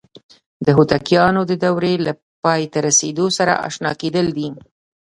د هوتکیانو د دورې له پای ته رسیدو سره آشنا کېدل دي.